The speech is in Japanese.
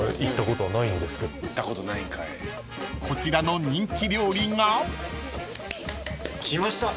［こちらの人気料理が］来ました。